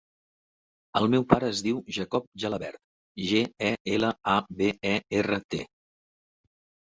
El meu pare es diu Jacob Gelabert: ge, e, ela, a, be, e, erra, te.